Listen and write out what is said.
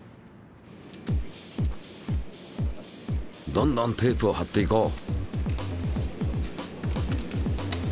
どんどんテープをはっていこう。